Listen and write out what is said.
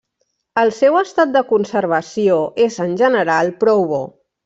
El seu estat de conservació és, en general, prou bo.